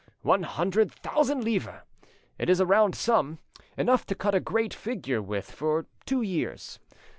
One hundred thousand livres! It's a round sum—enough to cut a great figure with for two years.